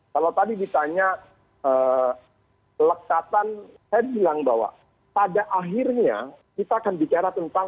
kalau tadi ditanya lekatan saya bilang bahwa pada akhirnya kita akan bicara tentang